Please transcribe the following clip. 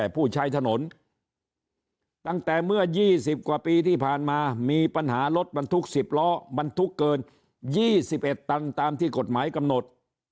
ผู้ใช้ถนนตั้งแต่เมื่อ๒๐กว่าปีที่ผ่านมามีปัญหารถบรรทุก๑๐ล้อบรรทุกเกิน๒๑ตันตามที่กฎหมายกำหนด